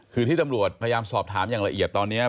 คือที่ตำรวจพยายามสอบถามอย่างละเอียดตอนนี้